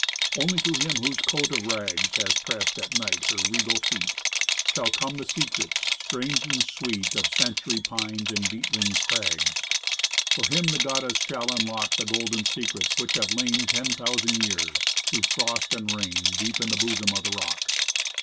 Only to him whose coat of rags Has pressed at night her regal feet, Shall come the secrets, strange and sweet, Of century pines and beetling crags. For him the goddess shall unlock The golden secrets which have lain Ten thousand years, through frost and rain, Deep in the bosom of the rock.